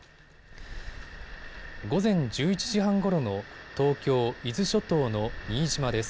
午前１１時半ごろの東京伊豆諸島の新島です。